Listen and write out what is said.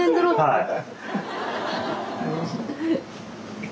はい。